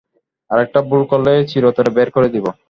আরেকটা ভুল করলেই চিরতরে বের করে দিব?